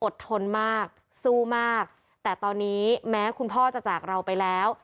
ทนมากสู้มากแต่ตอนนี้แม้คุณพ่อจะจากเราไปแล้ว